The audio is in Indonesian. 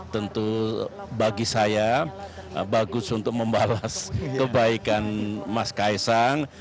tentu bagi saya bagus untuk membalas kebaikan mas kaisang